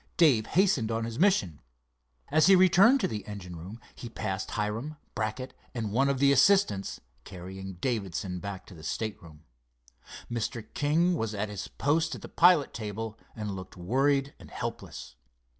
Dave hastened on his mission. As he returned to the engine room he passed Hiram, Brackett and one of the assistants, carrying Davidson back to the stateroom. Mr. King was at his post at the pilot table, and looked worried and helpless.